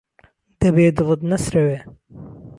دهبێ دڵت نهسرەوێ